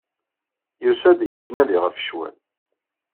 Yusa-d, yettnadi ɣef ccwal.